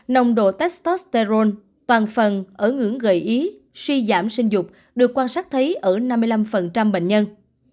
nồng độ testosterol toàn phần ở ngưỡng gợi ý suy giảm sinh dục được quan sát thấy ở năm mươi năm bệnh nhân